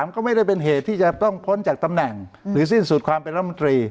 ก็ไม่ได้เป็นเหตุที่จะต้องพ้นจากตำแหน่งหรือสิ้นสุดความเป็นรัฐมนตรี